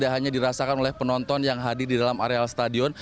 tidak hanya dirasakan oleh penonton yang hadir di dalam areal stadion